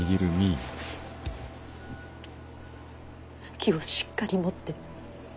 気をしっかり持って。